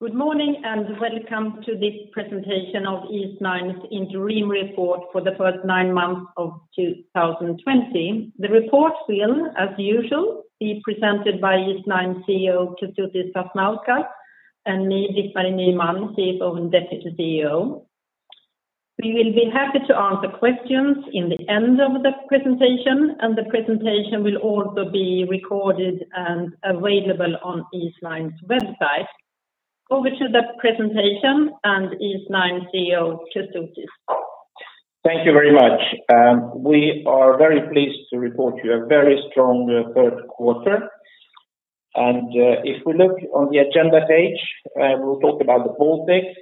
Good morning. Welcome to this presentation of Eastnine's interim report for the first nine months of 2020. The report will, as usual, be presented by Eastnine CEO Kestutis Sasnauskas and me, Britt-Marie Nyman, CFO and Deputy CEO. We will be happy to answer questions at the end of the presentation. The presentation will also be recorded and available on Eastnine's website. Over to the presentation and Eastnine CEO, Kestutis. Thank you very much. We are very pleased to report to you a very strong third quarter. If we look on the agenda page, we'll talk about the Baltics.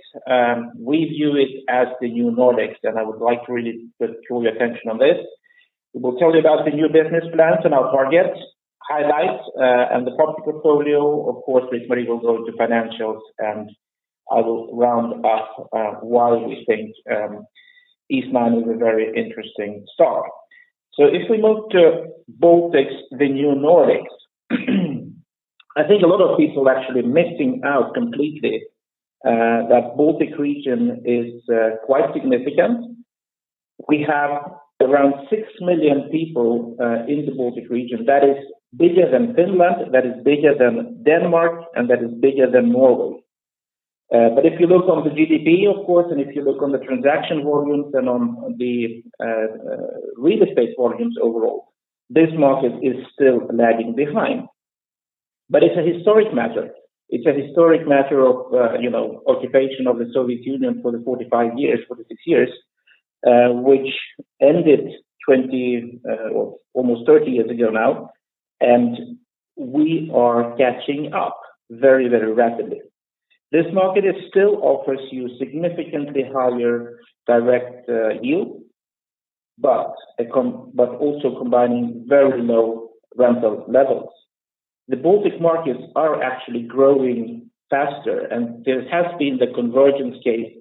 We view it as the new Nordics. I would like to really put your attention on this. We will tell you about the new business plans and our targets, highlights, and the property portfolio. Of course, Britt-Marie will go to financials. I will round up why we think Eastnine is a very interesting start. If we look to Baltics, the new Nordics, I think a lot of people actually missing out completely that Baltic region is quite significant. We have around six million people in the Baltic region. That is bigger than Finland, that is bigger than Denmark. That is bigger than Norway. If you look on the GDP, of course, and if you look on the transaction volumes and on the real estate volumes overall, this market is still lagging behind. It's a historic matter. It's a historic matter of occupation of the Soviet Union for the 45 years, 46 years, which ended 20 years, or almost 30 years ago now, and we are catching up very rapidly. This market, it still offers you significantly higher direct yield but also combining very low rental levels. The Baltic markets are actually growing faster, and there has been the convergence case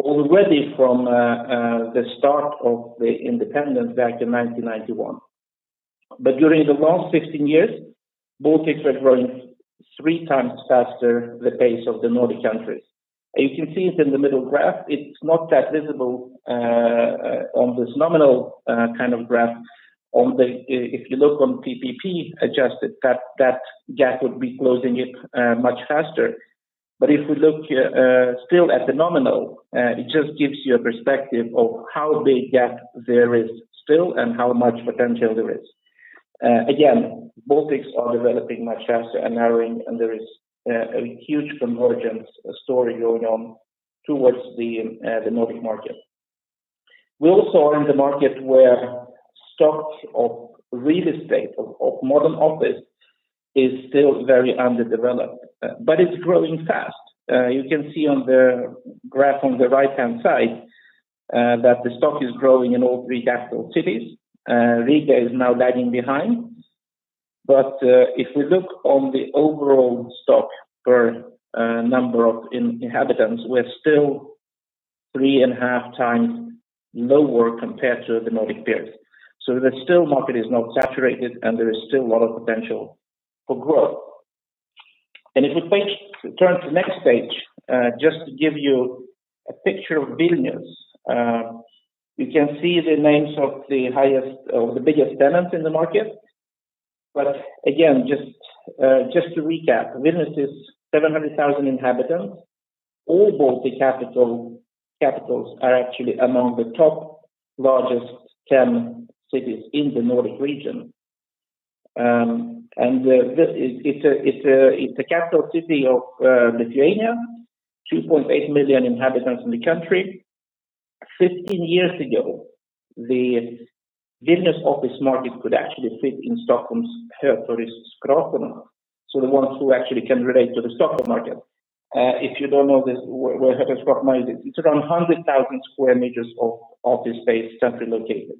already from the start of the independence back in 1991. During the last 16 years, Baltics were growing 3x faster the pace of the Nordic countries. As you can see, it's in the middle graph. It's not that visible on this nominal kind of graph. PPP adjusted, that gap would be closing it much faster. If we look still at the nominal, it just gives you a perspective of how big gap there is still and how much potential there is. Baltics are developing much faster and narrowing, there is a huge convergence story going on towards the Nordic market. We also are in the market where stocks of real estate, of modern office, is still very underdeveloped but it's growing fast. You can see on the graph on the right-hand side that the stock is growing in all three capital cities. Riga is now lagging behind. If we look on the overall stock per number of inhabitants, we're still three and a half times lower compared to the Nordic peers. Still market is not saturated, there is still a lot of potential for growth. If we turn to the next page, just to give you a picture of Vilnius. You can see the names of the highest or the biggest tenants in the market. Again, just to recap, Vilnius is 700,000 inhabitants. All Baltic capitals are actually among the top largest 10 cities in the Nordic region. It's the capital city of Lithuania, 2.8 million inhabitants in the country. 15 years ago, the Vilnius office market could actually fit in Stockholm's Hötorgsskrapan. The ones who actually can relate to the Stockholm market. If you don't know where Hötorgsskrapan is, it's around 100,000 square meters of office space centrally located.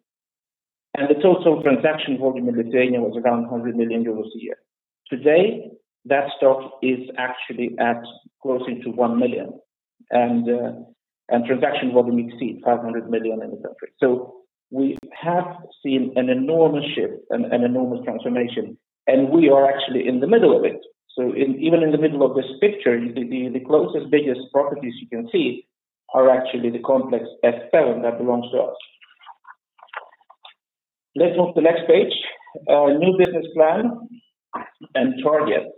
The total transaction volume in Lithuania was around 100 million euros a year. Today, that stock is actually at close into 1 million square meters, and transaction volume exceeds 500 million in the country. We have seen an enormous shift, an enormous transformation, and we are actually in the middle of it. Even in the middle of this picture, the closest, biggest properties you can see are actually the complex S7 that belongs to us. Let's move to the next page. Our new business plan and targets.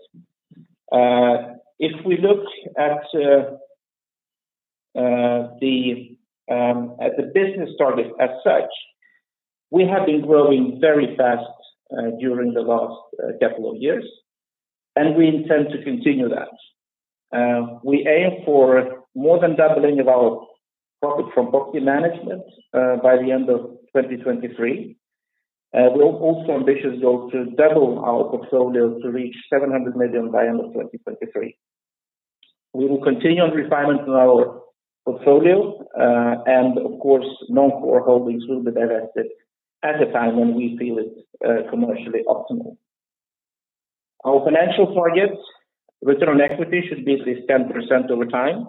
We look at the business targets as such, we have been growing very fast during the last couple of years, and we intend to continue that. We aim for more than doubling of our profit from property management by the end of 2023. We're also ambitious though to double our portfolio to reach 700 million by end of 2023. We will continue on refinement of our portfolio. Of course, non-core holdings will be divested at the time when we feel it commercially optimal. Our financial targets, return on equity should be at least 10% over time.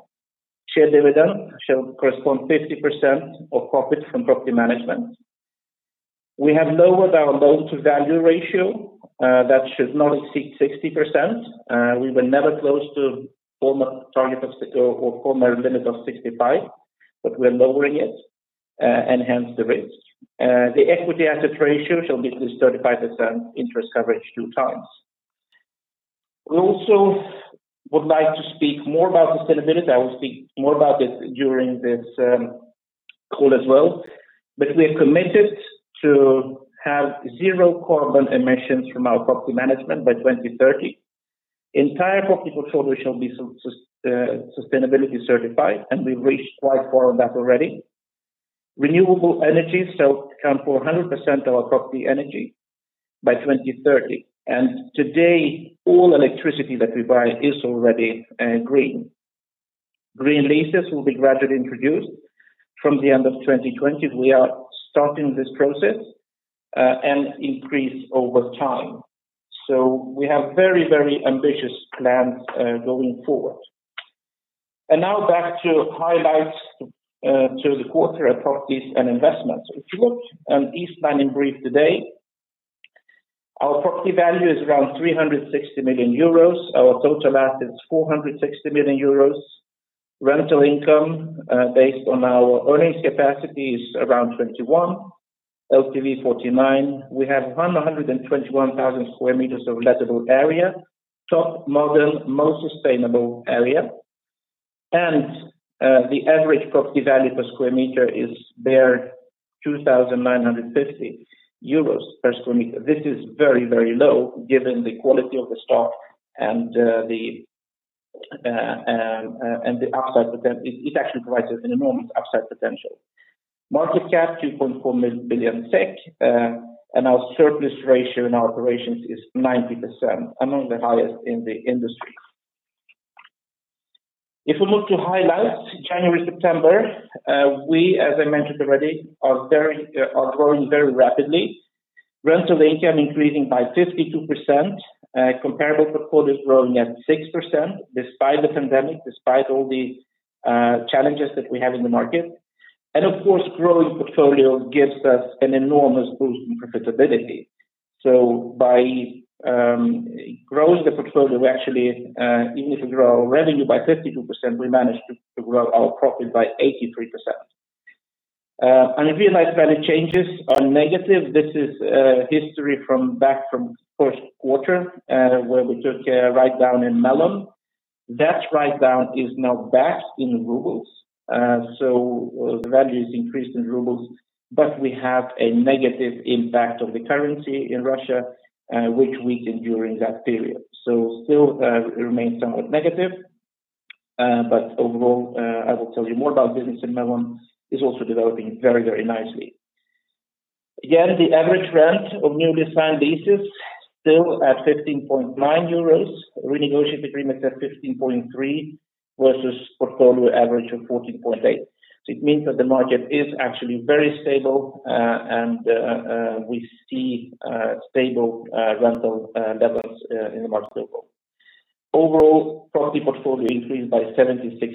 Share dividend shall correspond 50% of profit from property management. We have lowered our loan-to-value ratio. That should not exceed 60%. We were never close to former target or former limit of 65%. We're lowering it and hence the risk. The equity asset ratio shall be at least 35%, interest coverage 2x. We also would like to speak more about sustainability. I will speak more about this during this call as well. We are committed to have 0 carbon emissions from our property management by 2030. Entire property portfolio shall be sustainability certified. We've reached quite far on that already. Renewable energy shall account for 100% of our property energy by 2030. Today, all electricity that we buy is already green. Green leases will be gradually introduced from the end of 2020. We are starting this process and increase over time. We have very ambitious plans going forward. Now back to highlights to the quarter properties and investments. If you look on Eastnine in brief today, our property value is around 360 million euros. Our total asset is 460 million euros. Rental income, based on our earnings capacity, is around 21 million, LTV 49%. We have 121,000 square meters of lettable area, top modern, most sustainable area. The average property value per square meter is there 2,950 euros per square meter. This is very low given the quality of the stock and it actually provides us an enormous upside potential. Market cap 2.4 billion SEK. Our surplus ratio in our operations is 90%, among the highest in the industry. If we move to highlights January, September, we, as I mentioned already, are growing very rapidly. Rental income increasing by 52%. Comparable portfolio growing at 6% despite the pandemic, despite all the challenges that we have in the market. Of course, growing portfolio gives us an enormous boost in profitability. By growing the portfolio, we actually, even if we grow revenue by 52%, we managed to grow our profit by 83%. If you like value changes are negative, this is history from back from first quarter, where we took a write-down in Melon. That write-down is now back in rubles. The value is increased in rubles, but we have a negative impact of the currency in Russia, which weakened during that period. Still remains somewhat negative. Overall, I will tell you more about business in Melon, is also developing very nicely. Again, the average rent of newly signed leases still at 15.9 euros per square meters, renegotiated agreements at 15.3 per square meters versus portfolio average of 14.8 per square meters. It means that the market is actually very stable, and we see stable rental levels in the market overall. Overall, property portfolio increased by 76%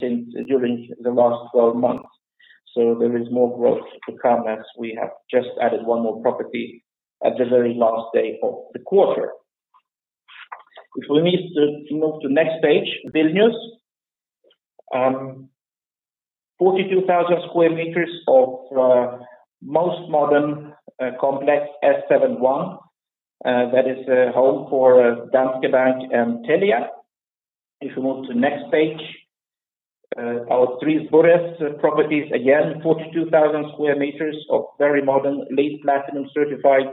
since during the last 12 months. There is more growth to come as we have just added one more property at the very last day of the quarter. If we need to move to next page, Vilnius. 42,000 square meters of most modern complex S7-1. That is a home for Danske Bank and Telia. If you move to next page, our 3Bures properties, again, 42,000 square meters of very modern, LEED Platinum certified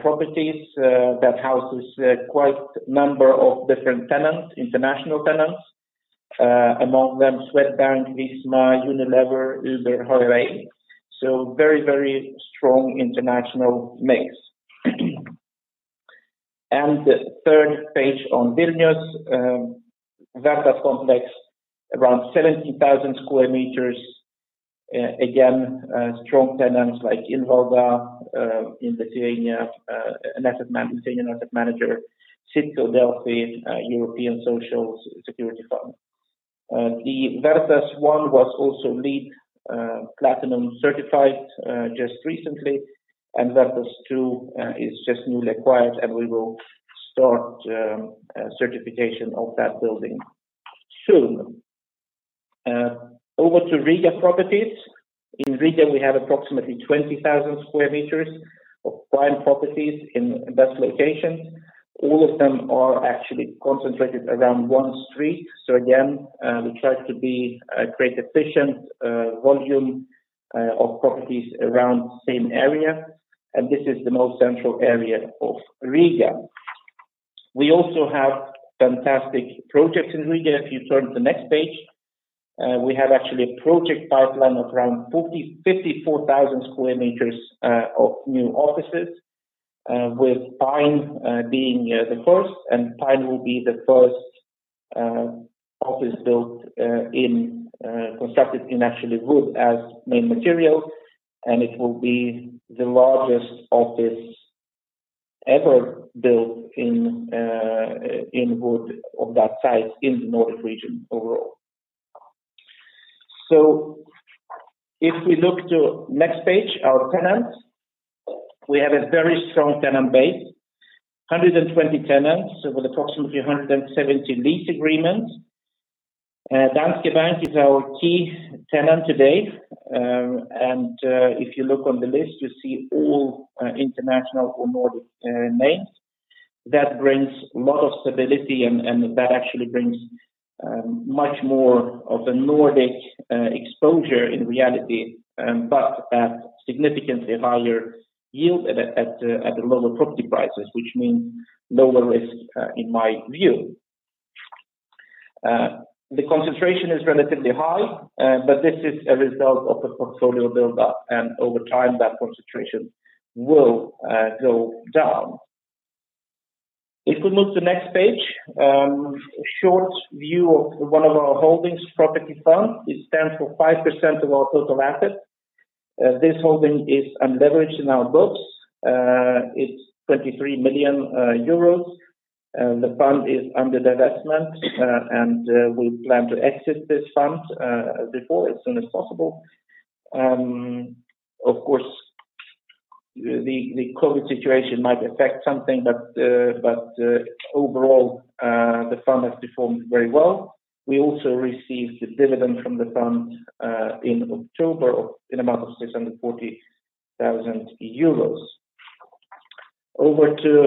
properties, that houses quite number of different tenants, international tenants. Among them, Swedbank, Visma, Unilever, Uber, Holiday Inn. Very strong international mix. Third page on Vilnius, Vertas complex around 17,000 square meters. Again, strong tenants like Invalda INVL, asset management, Lithuanian asset manager, Citadele, European Social Fund. The Vertas-1 was also LEED Platinum certified just recently, and Vertas-2 is just newly acquired and we will start certification of that building soon. Over to Riga properties. In Riga, we have approximately 20,000 square meters of prime properties in best locations. All of them are actually concentrated around one street. Again, we try to be a create an efficient volume of properties around same area, and this is the most central area of Riga. We also have fantastic projects in Riga. If you turn to the next page, we have actually a project pipeline of around 54,000 square meters of new offices, with The Pine being the first. Pine will be the first office constructed in actually wood as main material, and it will be the largest office ever built in wood of that size in the Nordic region overall. If we look to next page, our tenants. We have a very strong tenant base, 120 tenants with approximately 170 lease agreements. Danske Bank is our key tenant today. If you look on the list, you see all international or Nordic names. That brings a lot of stability, and that actually brings much more of the Nordic exposure in reality, but at significantly higher yield at the lower property prices, which means lower risk, in my view. The concentration is relatively high, but this is a result of the portfolio buildup, and over time, that concentration will go down. If we move to next page, a short view of one of our holdings, Property Fund. It stands for 5% of our total assets. This holding is unleveraged in our books. It's 23 million euros. The fund is under divestment. We plan to exit this fund before, as soon as possible. Of course, the COVID situation might affect something. Overall, the fund has performed very well. We also received a dividend from the fund in October in amount of 640,000 euros. Over to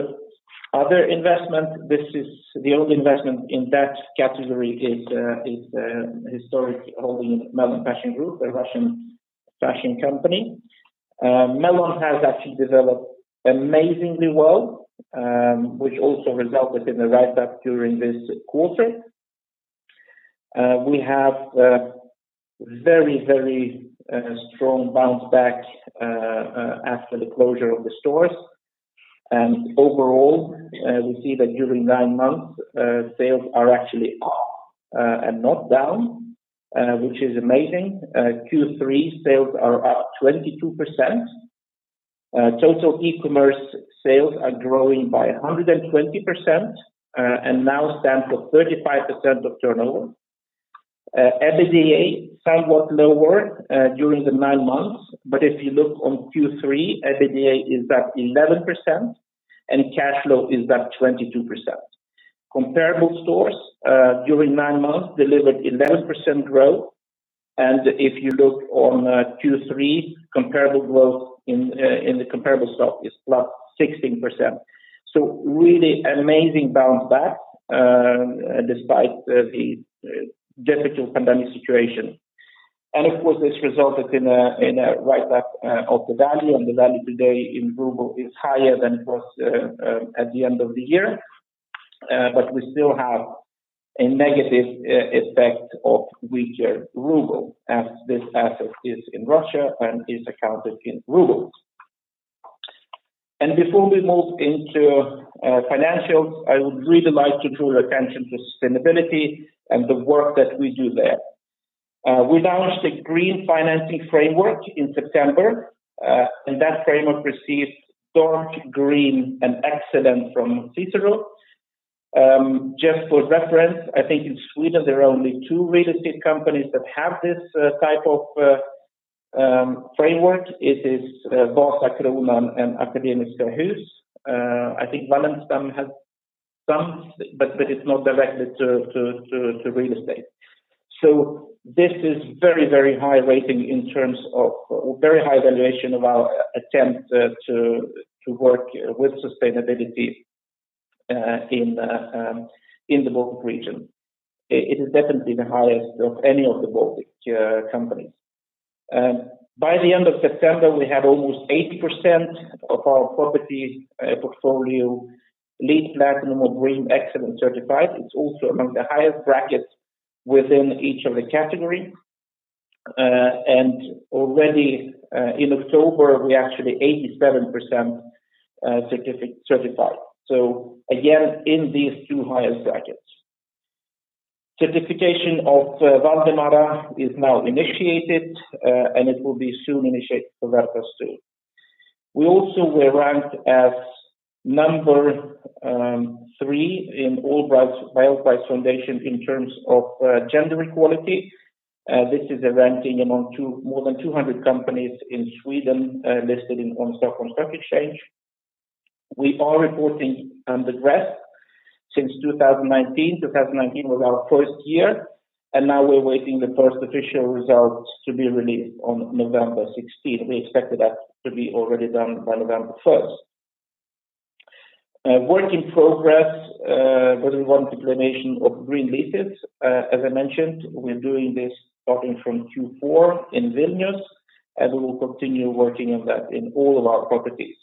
other investment. The only investment in that category is historic holding, Melon Fashion Group, a Russian fashion company. Melon has actually developed amazingly well, which also resulted in a write-up during this quarter. We have very strong bounce back after the closure of the stores. Overall, we see that during nine months, sales are actually up and not down, which is amazing. Q3 sales are up 22%. Total e-commerce sales are growing by 120%. Now stand for 35% of turnover. EBITDA, somewhat lower during the nine months. If you look on Q3, EBITDA is up 11% and cash flow is up 22%. Comparable stores during nine months delivered 11% growth. If you look on Q3, comparable growth in the comparable stock is plus 16%. Really an amazing bounce back despite the difficult pandemic situation. Of course, this resulted in a write-back of the value, and the value today in ruble is higher than it was at the end of the year. We still have a negative effect of weaker ruble as this asset is in Russia and is accounted in rubles. Before we move into financials, I would really like to draw your attention to sustainability and the work that we do there. We launched a green financing framework in September. That framework received dark green and excellent from CICERO. Just for reference, I think in Sweden, there are only two real estate companies that have this type of framework. It is Vasakronan and Akademiska Hus. I think Wallenstam has some, but it's not directly to real estate. This is very high rating in terms of very high valuation of our attempt to work with sustainability in the Baltic region. It is definitely the highest of any of the Baltic companies. By the end of September, we have almost 80% of our property portfolio LEED Platinum or BREEAM Excellent certified. It's also among the highest brackets within each of the category. Already, in October, we actually 87% certified. Again, in these two highest brackets. Certification of Valdemara is now initiated, and it will be soon initiated for Vertas-2. We also were ranked as number three in Allbright Foundation in terms of gender equality. This is a ranking among more than 200 companies in Sweden listed on Stockholm Stock Exchange. We are reporting under GRESB since 2019. 2019 was our first year, now we're waiting the first official results to be released on November 16. We expected that to be already done by November 1st. Work in progress, we want implementation of green leases. As I mentioned, we're doing this starting from Q4 in Vilnius, we will continue working on that in all of our properties.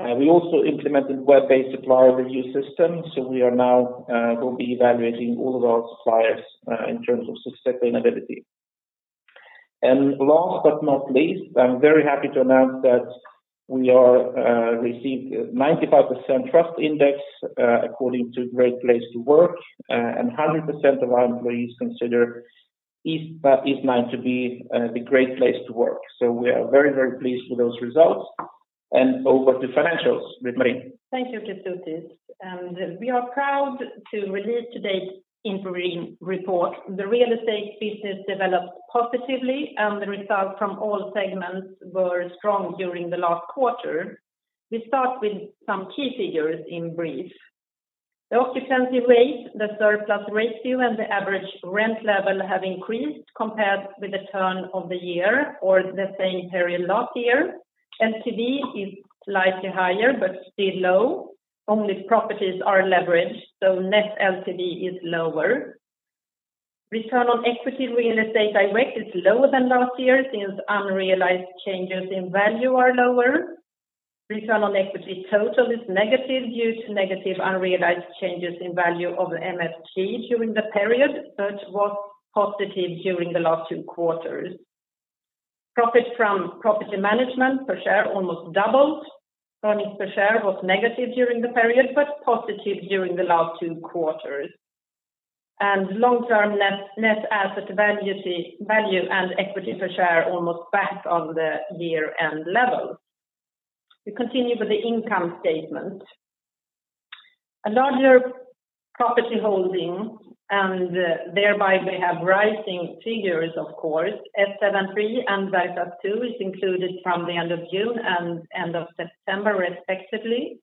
We also implemented web-based supplier review system, we are now will be evaluating all of our suppliers in terms of sustainability. Last but not least, I'm very happy to announce that we are received 95% trust index, according to Great Place to Work, 100% of our employees consider Eastnine to be the great place to work. We are very, very pleased with those results and over to financials with Marie. Thank you, Kestutis. We are proud to release today's interim report. The real estate business developed positively, and the results from all segments were strong during the last quarter. We start with some key figures in brief. The occupancy rate, the surplus ratio, and the average rent level have increased compared with the turn of the year or the same period last year. LTV is slightly higher but still low. Only properties are leveraged, so net LTV is lower. Return on equity real estate direct is lower than last year since unrealized changes in value are lower. Return on equity total is negative due to negative unrealized changes in value of MFG during the period, but was positive during the last two quarters. Profit from property management per share almost doubled. Earnings per share was negative during the period, but positive during the last two quarters. Long-term NAV and equity per share are almost back on the year-end level. We continue with the income statement. A larger property holding, thereby we have rising figures, of course. S7-3 and Vertas-2 is included from the end of June and end of September respectively.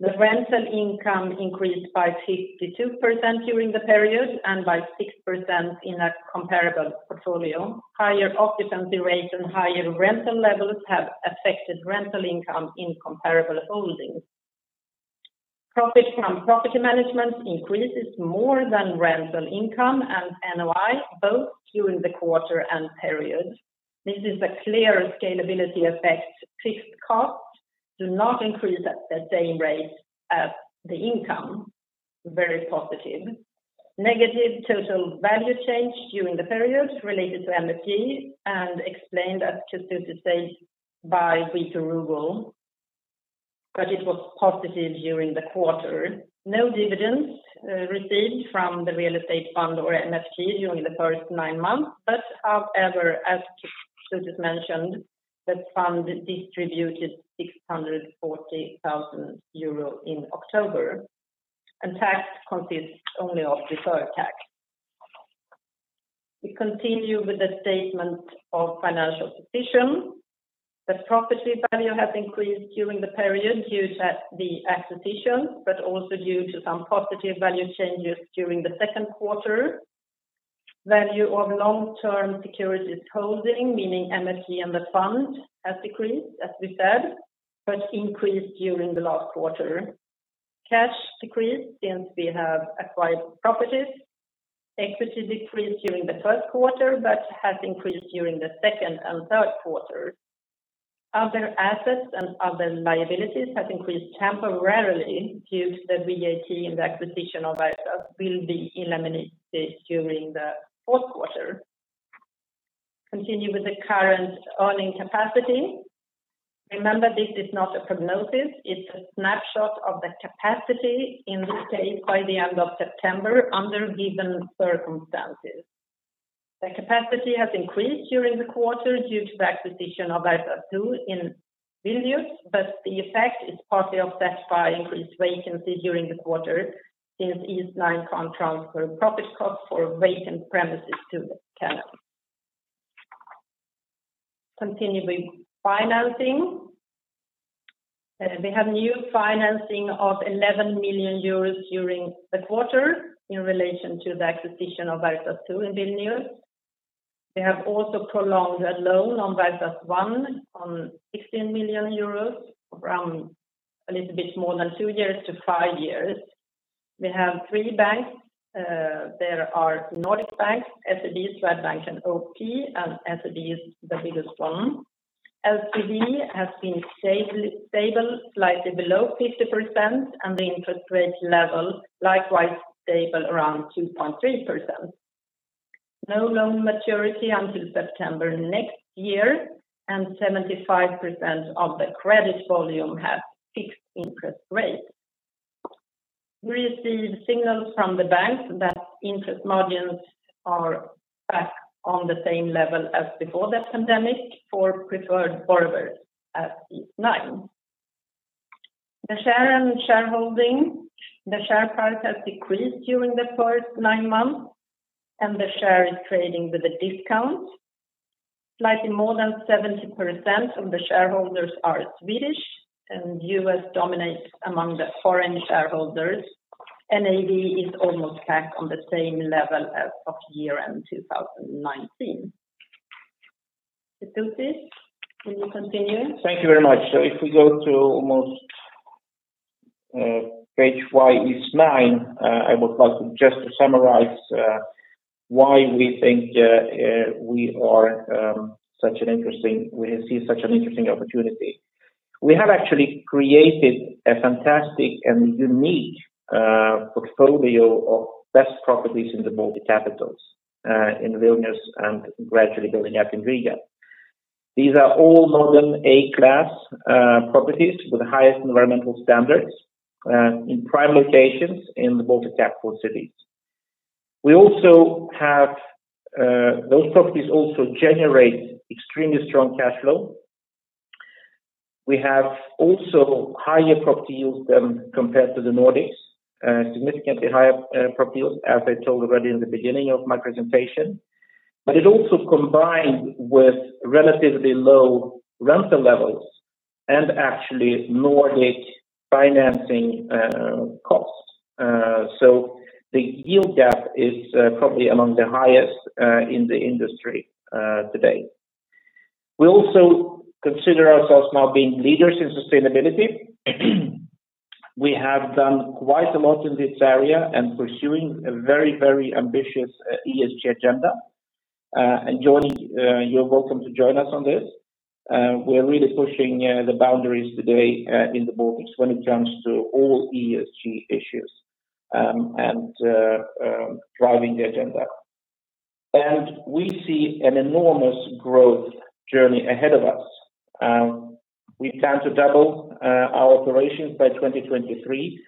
The rental income increased by 52% during the period and by 6% in a comparable portfolio. Higher occupancy rate and higher rental levels have affected rental income in comparable holdings. Profit from property management increases more than rental income and NOI, both during the quarter and period. This is a clear scalability effect. Fixed costs do not increase at the same rate as the income. Very positive. Negative total value change during the period related to MFG and explained, as Kestutis said, by weaker ruble. It was positive during the quarter. No dividends received from the real estate fund or MFG during the first nine months. However, as Kestutis mentioned, the fund distributed 640,000 euro in October, and tax consists only of deferred tax. We continue with the statement of financial position. The property value has increased during the period due to the acquisition, but also due to some positive value changes during the second quarter. Value of long-term securities holding, meaning MFG and the fund, has decreased, as we said, but increased during the last quarter. Cash decreased since we have acquired properties. Equity decreased during the first quarter but has increased during the second and third quarter. Other assets and other liabilities have increased temporarily due to the VAT and the acquisition of Vertas will be eliminated during the fourth quarter. Continue with the current earning capacity. Remember, this is not a prognosis. It's a snapshot of the capacity, in this case, by the end of September under given circumstances. The capacity has increased during the quarter due to the acquisition of Vertas-2 in Vilnius, but the effect is partly offset by increased vacancy during the quarter since Eastnine contracts for profit cost for vacant premises to the tenant. Continue with financing. We have new financing of 11 million euros during the quarter in relation to the acquisition of Vertas-2 in Vilnius. We have also prolonged a loan on Vertas-1 on 16 million euros from a little bit more than two years to five years. We have three banks. There are Nordic banks, SEB, Swedbank and OP, and SEB is the biggest one. LTV has been stable, slightly below 50%, and the interest rate level likewise stable around 2.3%. No loan maturity until September next year, and 75% of the credit volume have fixed interest rate. We receive signals from the banks that interest margins are back on the same level as before the pandemic for preferred borrowers at Eastnine. The share and shareholding. The share price has decreased during the first nine months, and the share is trading with a discount. Slightly more than 70% of the shareholders are Swedish, and U.S. dominates among the foreign shareholders. NAV is almost back on the same level as of year-end 2019. Kestutis, can you continue? Thank you very much. If we go to almost page 'Why Eastnine?' I would like just to summarize why we think we see such an interesting opportunity. We have actually created a fantastic and unique portfolio of best properties in the Baltic capitals, in Vilnius and gradually building up in Riga. These are all modern A-class properties with the highest environmental standards in prime locations in the Baltic capital cities. Those properties also generate extremely strong cash flow. We have also higher property yields compared to the Nordics, significantly higher property yields as I told already in the beginning of my presentation. It also combined with relatively low rental levels and actually Nordic financing costs. The yield gap is probably among the highest in the industry today. We also consider ourselves now being leaders in sustainability. We have done quite a lot in this area and pursuing a very, very ambitious ESG agenda. You're welcome to join us on this. We're really pushing the boundaries today in the Baltics when it comes to all ESG issues, and driving the agenda. We see an enormous growth journey ahead of us. We plan to double our operations by 2023,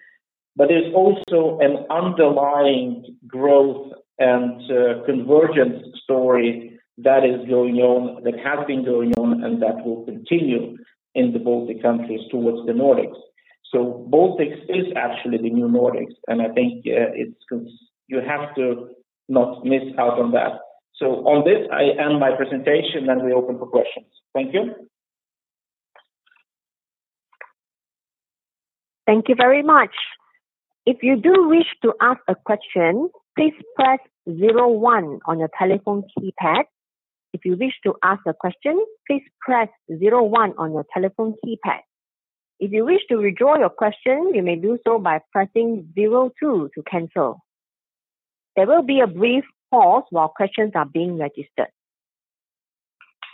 there's also an underlying growth and convergence story that has been going on and that will continue in the Baltic countries towards the Nordics. Baltics is actually the new Nordics and I think you have to not miss out on that. On this, I end my presentation and we open for questions. Thank you. Thank you very much. If you do wish to ask a question, please press zero one on your telephone keypad. If you wish to ask a question, please press zero one on your telephone keypad. If you wish to withdraw your question, you may do so by pressing zero two to cancel. There will be a brief pause while questions are being registered.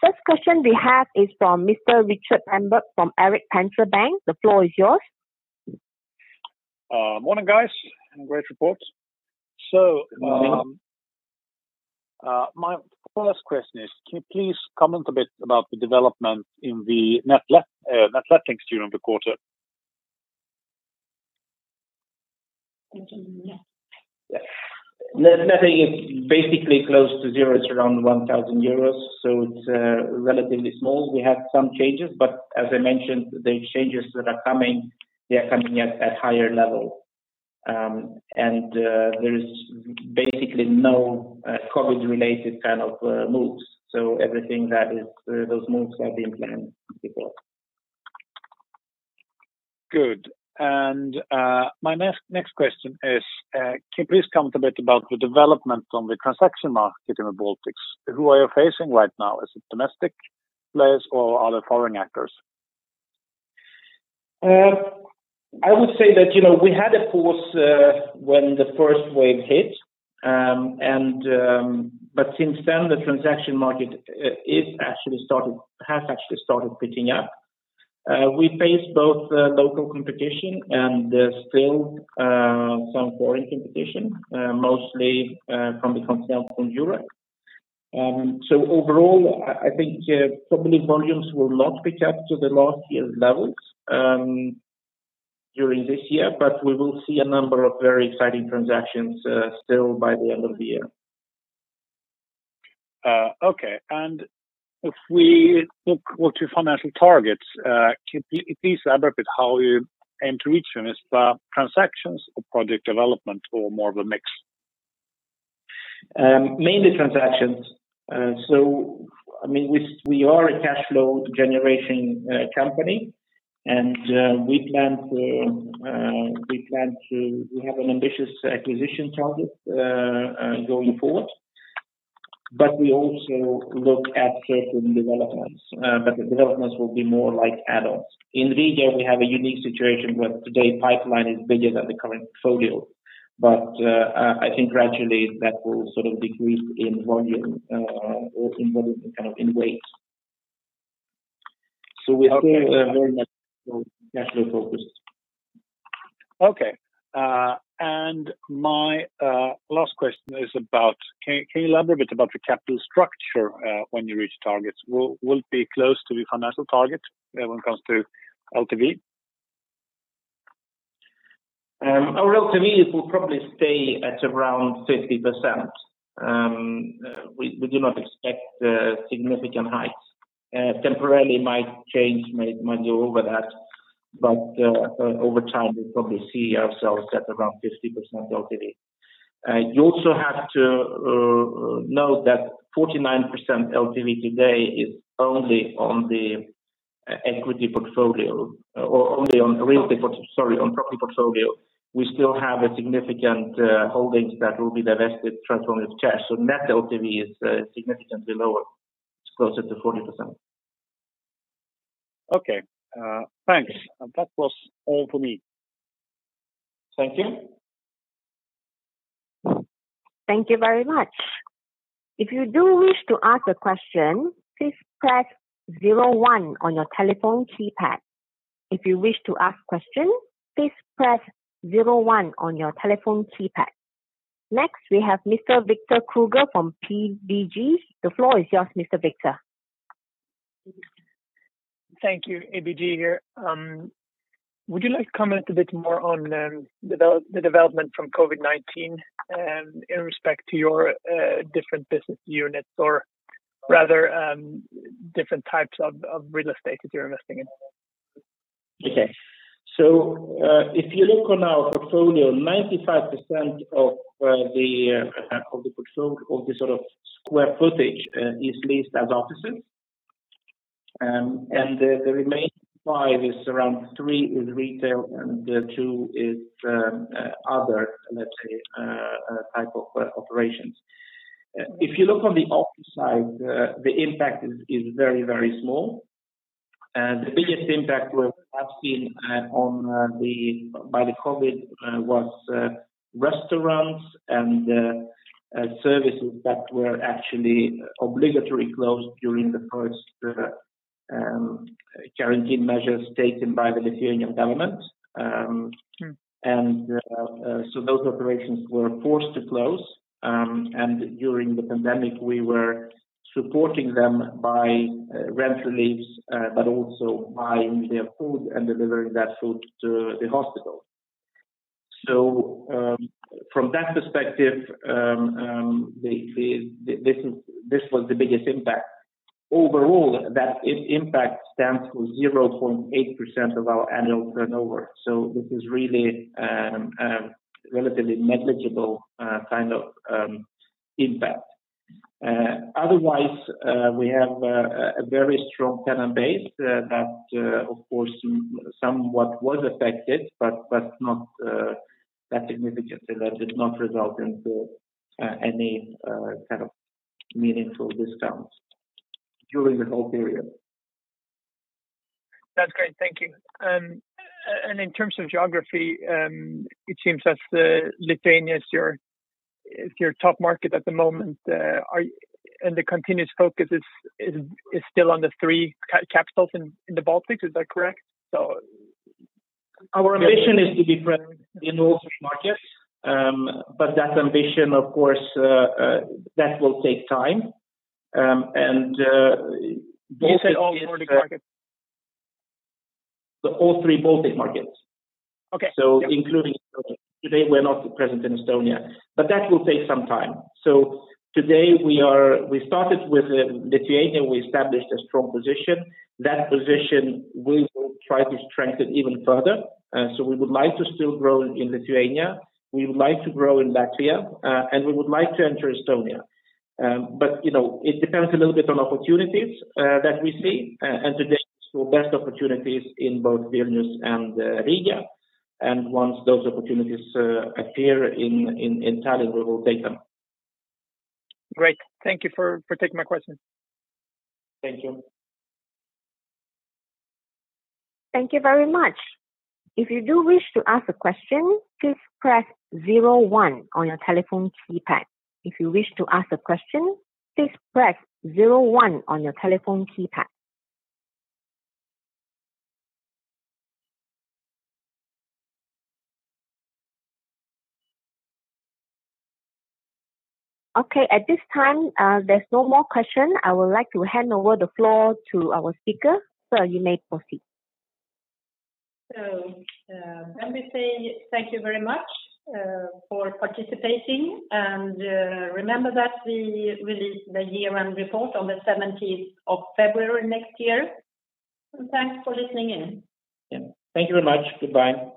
First question we have is from Mr. Rikard Engberg from Erik Penser Bank. The floor is yours. Morning, guys, great reports. My first question is, can you please comment a bit about the development in the net letting during the quarter? Net letting is basically close to 0. It's around 1,000 euros, so it's relatively small. We had some changes, but as I mentioned, the changes that are coming, they are coming at higher level. There is basically no COVID related kind of moves. Those moves have been planned before. Good. My next question is, can you please comment a bit about the development on the transaction market in the Baltics? Who are you facing right now? Is it domestic players or other foreign actors? I would say that we had a pause when the first wave hit. Since then the transaction market has actually started picking up. We face both local competition and still some foreign competition, mostly from the continent from Europe. Overall, I think probably volumes will not pick up to the last year's levels during this year, but we will see a number of very exciting transactions still by the end of the year. Okay. If we look to financial targets, can you please elaborate how you aim to reach them? Is it by transactions or project development or more of a mix? Mainly transactions. We are a cash flow generating company and we have an ambitious acquisition target going forward. We also look at certain developments. The developments will be more like add-ons. In Riga we have a unique situation where today pipeline is bigger than the current portfolio. I think gradually that will sort of decrease in volume or in weight. We are still very much cash flow focused. Okay. My last question is about, can you elaborate about the capital structure, when you reach targets? Will it be close to the financial target when it comes to LTV? Our LTV will probably stay at around 50%. We do not expect significant heights. Temporarily might change, might go over that, but over time we probably see ourselves at around 50% LTV. You also have to note that 49% LTV today is only on the equity portfolio or only on property portfolio. We still have a significant holdings that will be divested transforming to cash. Net LTV is significantly lower. It's closer to 40%. Okay. Thanks. That was all for me. Thank you. Thank you very much. We have Mr. Victor Krüeger from ABG. The floor is yours, Mr. Victor. Thank you. ABG here. Would you like to comment a bit more on the development from COVID-19 in respect to your different business units or rather, different types of real estate that you're investing in? Okay. If you look on our portfolio, 95% of the sort of square footage is leased as offices. The remaining five is around three is retail and two is other, let's say, type of operations. If you look on the office side, the impact is very, very small. The biggest impact we have seen by the COVID was restaurants and services that were actually obligatory closed during the first quarantine measures taken by the Lithuanian government. Those operations were forced to close. During the pandemic, we were supporting them by rent reliefs, but also buying their food and delivering that food to the hospitals. From that perspective, this was the biggest impact. Overall, that impact stands for 0.8% of our annual turnover. This is really relatively negligible kind of impact. Otherwise, we have a very strong tenant base that of course, somewhat was affected, but not that significantly that it did not result into any kind of meaningful discounts during the whole period. That's great. Thank you. In terms of geography, it seems as though Lithuania is your top market at the moment. The continuous focus is still on the three capitals in the Baltics. Is that correct? Our ambition is to be present in all such markets, that ambition, of course, that will take time. You said all Baltic markets? All three Baltic markets. Okay. Yeah. Including Estonia. Today, we're not present in Estonia. That will take some time. Today, we started with Lithuania. We established a strong position. That position we will try to strengthen even further. We would like to still grow in Lithuania. We would like to grow in Latvia. We would like to enter Estonia. It depends a little bit on opportunities that we see. Today, still best opportunities in both Vilnius and Riga. Once those opportunities appear in Tallinn, we will take them. Great. Thank you for taking my question. Thank you. Thank you very much. At this time, there's no more question. I would like to hand over the floor to our speaker. Sir, you may proceed. Let me say thank you very much for participating. Remember that we release the year-end report on the 17th of February next year. Thanks for listening in. Yeah. Thank you very much. Goodbye.